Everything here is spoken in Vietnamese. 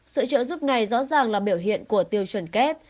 sự trợ giúp này rõ ràng là biểu hiện của tiêu chuẩn kép